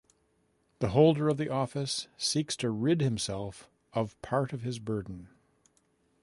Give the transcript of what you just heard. The holder of the office seeks to rid himself of part of his burden.